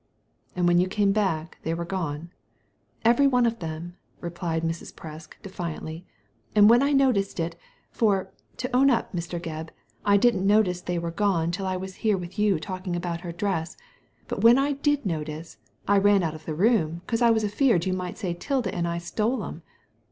" And when you came back they were gone." " Every one of them," replied Mrs. Presk, defiantly, " and when I noticed it — for, to own up, Mr. Gebb, Digitized by Google A WOMAN WITHOUT A PAST 25 I didn't notice they were gone till I was here with you talking about her dress — ^but when I did notice, I ran out of the room 'cause I was a feared you might say Tilda and I stole 'em.''